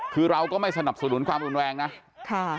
คือเราก็ไม่สนับสนุนความรุนแรงนะค่ะ